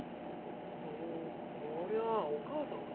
おこりゃあお母さんか？